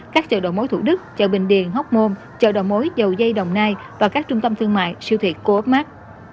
các chợ đồ mối thủ đức chợ bình điền hóc môn chợ đồ mối dầu dây đồng nai và các trung tâm thương mại siêu thiệt cô ấp mát